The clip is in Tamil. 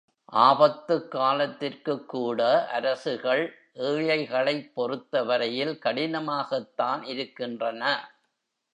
ஆபத்துக் காலத்திற்குக் கூட அரசுகள் ஏழைகளைப் பொறுத்தவரையில் கடினமாகத்தான் இருக்கின்றன.